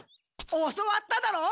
教わっただろ！